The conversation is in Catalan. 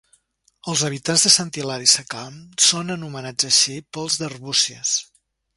Els habitants de Sant Hilari Sacalm són anomenats així pels d'Arbúcies.